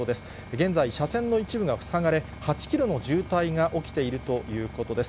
現在、車線の一部が塞がれ、８キロの渋滞が起きているということです。